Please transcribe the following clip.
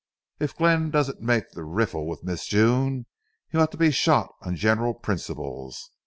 If Glenn don't make the riffle with Miss Jule, he ought to be shot on general principles.